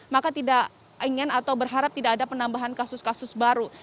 maka tidak ingin atau berharap tidak ada penambahan kasus kasus baru